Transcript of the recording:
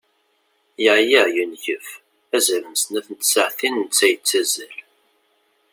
Yeɛya, yengef, azal n snat n tsaɛtin netta yettazzal.